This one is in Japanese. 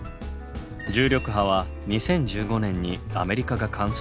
重力波は２０１５年にアメリカが観測に成功。